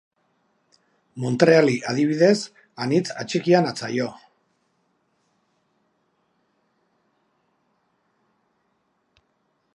Montreali, adibidez, anitz atxikia natzaio.